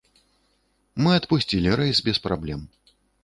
Мы адпусцілі рэйс без праблем.